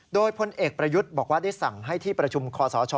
โดยพลเอกประยุทธ์บอกว่าได้สั่งให้ที่ประชุมคอสช